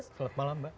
saat malam mbak